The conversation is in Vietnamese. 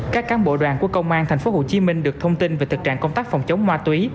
các cán bộ đoàn của công an tp hcm được thông tin về thực trạng công tác phòng chống ma túy